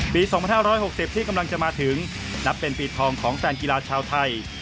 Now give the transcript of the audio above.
ปี๒๕๖๐ที่กำลังจะมาถึงนับเป็นปีทองของแฟนกีฬาชาวไทย